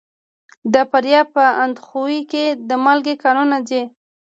د فاریاب په اندخوی کې د مالګې کانونه دي.